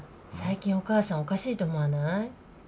最近お母さんおかしいと思わない？